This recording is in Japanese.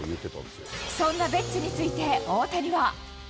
そんなベッツについて大谷は。